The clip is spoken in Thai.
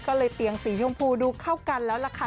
ก็เลยเตียงสีชมพูดูเข้ากันแล้วล่ะค่ะ